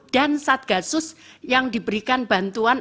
dan satgasus yang diberikan bantuan